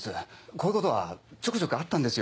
こういうことはちょくちょくあったんですよ。